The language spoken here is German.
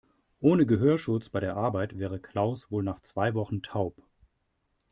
Ohne Gehörschutz bei der Arbeit wäre Klaus wohl nach zwei Wochen taub.